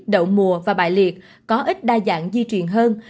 đậu mùa và bại liệt có ít đa dạng di chuyển hơn